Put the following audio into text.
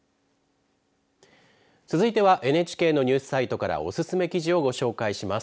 続いてはＮＨＫのニュースサイトからおすすめ記事をご紹介します。